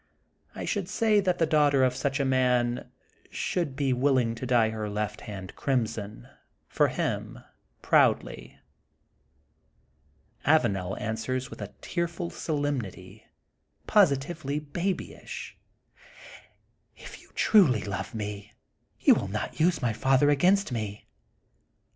I shonld say that the danghter of snch a father shonld be willing to dye her left hand crimson^ for him, proudly/' Avanel answers with a tearful solemnity, positively babyish: — If you truly love me you will not use my father against me.